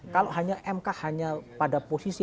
kalau hanya mk hanya pada posisi